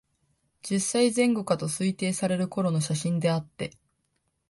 十歳前後かと推定される頃の写真であって、